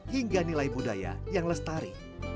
hingga nilai budaya yang lestari